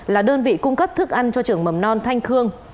là đơn vị cung cấp thức ăn cho trường mầm non thanh khương